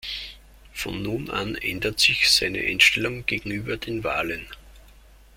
Von nun an ändert sich seine Einstellung gegenüber den Walen.